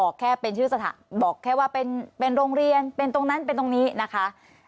ก็บอกแค่ว่าเป็นโรงเรียนเป็นตรงนั้นเป็นตรงนี้นะคะ